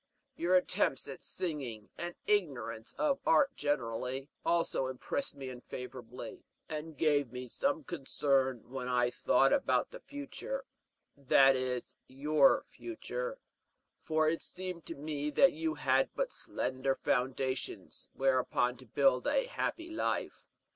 Your attempts at singing, and ignorance of art generally, also impressed me unfavorably, and gave me some concern when I thought about the future that is, your future; for it seemed to me that you had but slender foundations whereon to build a happy life.